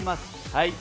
はい！